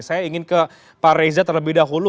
saya ingin ke pak reza terlebih dahulu